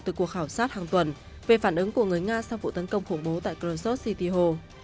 từ cuộc khảo sát hàng tuần về phản ứng của người nga sau vụ tấn công khủng bố tại chrisoft city hall